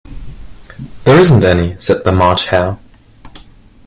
‘There isn’t any,’ said the March Hare.